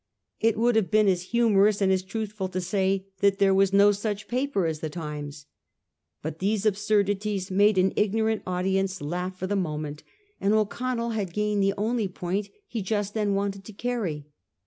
It would have been as humorous and as truthful to say that there was no such paper as the Times. But these absurdities made an ignorant audience laugh for the moment, and O'Connell had gained the only point he just then wanted to carry.